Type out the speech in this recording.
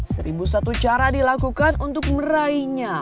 seribu satu cara dilakukan untuk meraihnya